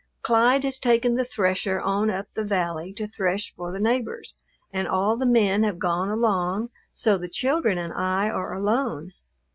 Clyde has taken the thresher on up the valley to thresh for the neighbors, and all the men have gone along, so the children and I are alone.